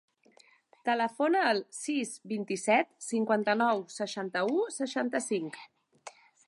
Telefona al sis, vint-i-set, cinquanta-nou, seixanta-u, seixanta-cinc.